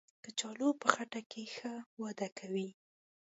کچالو په خټه کې ښه وده کوي